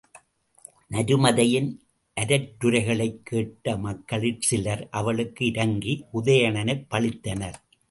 நருமதையின் அரற்றுரைகளைக் கேட்ட மக்களிற் சிலர் அவளுக்கு இரங்கி உதயணனைப் பழித்தனர்.